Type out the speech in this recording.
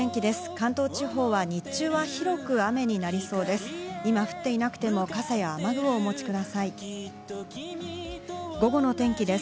関東地方は日中は広く雨になりそうです。